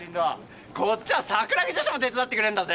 こっちは桜木女子も手伝ってくれんだぜ。